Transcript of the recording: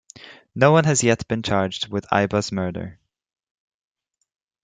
No one has yet been charged with Aiba's murder.